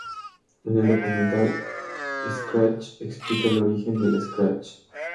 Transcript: En el documental "Scratch" explica el origen del "scratch".